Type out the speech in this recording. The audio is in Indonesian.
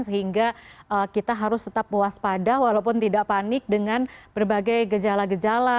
sehingga kita harus tetap puas pada walaupun tidak panik dengan berbagai gejala gejala